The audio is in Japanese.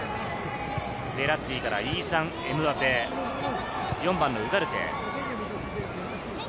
ベッラッティからイーサン・エムバペ、４番のウガルテ。